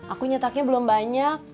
aku nyetaknya belum banyak